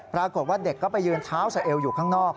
ปรากฏว่าเด็กก็ไปยืนเท้าสะเอวอยู่ข้างนอก